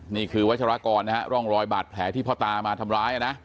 นี่คือวัชรากรนะฮะร่องรอยบาดแผลที่พ่อตามาทำร้ายนะ